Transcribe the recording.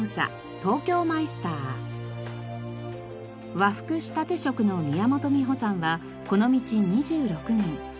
和服仕立職の宮本美穂さんはこの道２６年。